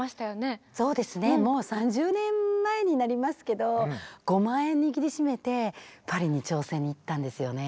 もう３０年前になりますけど５万円握りしめてパリに挑戦に行ったんですよね。